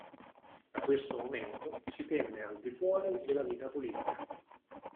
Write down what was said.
Da questo momento si tenne al di fuori della vita politica.